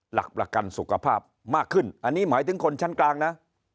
หลักประกันสุขภาพมากขึ้นอันนี้หมายถึงคนชั้นกลางนะ